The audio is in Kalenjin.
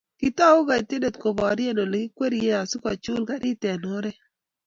Kitoku ketindet koborie Ole kikweri asikochul garit eng oret